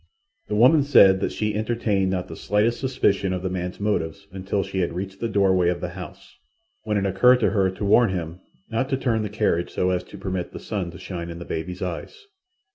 The woman said that she entertained not the slightest suspicion of the man's motives until she had reached the doorway of the house, when it occurred to her to warn him not to turn the carriage so as to permit the sun to shine in the baby's eyes.